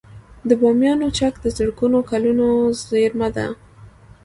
د بامیانو چک د زرګونه کلونو زیرمه ده